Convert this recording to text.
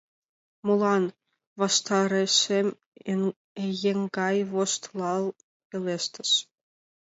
Молан? — ваштарешем еҥгай воштылал пелештыш.